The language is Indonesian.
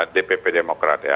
dpp demokrat ya